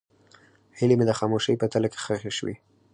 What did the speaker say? هیلې مې د خاموشۍ په تله کې ښخې شوې.